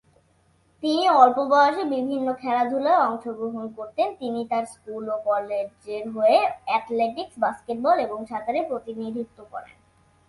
তিনি অল্প বয়সে বিভিন্ন খেলাধুলায় অংশ গ্রহণ করতেন, তিনি তাঁর স্কুল ও কলেজের হয়ে অ্যাথলেটিকস, বাস্কেটবল এবং সাঁতারে প্রতিনিধিত্ব করেন।